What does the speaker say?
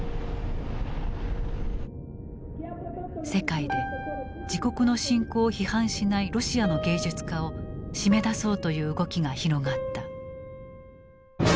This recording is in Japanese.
世界で自国の侵攻を批判しないロシアの芸術家を締め出そうという動きが広がった。